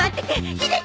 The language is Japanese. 秀樹！